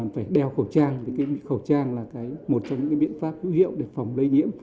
phải đeo khẩu trang khẩu trang là một trong những biện pháp ưu hiệu để phòng lây nhiễm